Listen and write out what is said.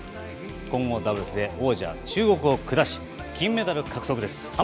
混合ダブルスで王者・中国を下し金メダル獲得です。